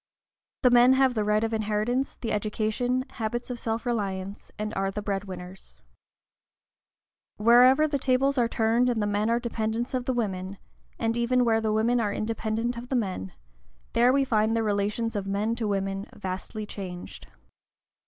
The men have the right of inheritance, the education, habits of self reliance, and are the bread winners. Wherever the tables are turned, and the men are dependents of the women, and even where the women are independent of the men, there we find the relations of men to women vastly changed.